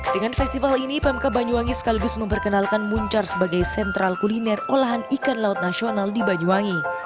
dengan festival ini pemka banyuwangi sekaligus memperkenalkan muncar sebagai sentral kuliner olahan ikan laut nasional di banyuwangi